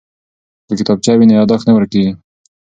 که کتابچه وي نو یادښت نه ورکیږي.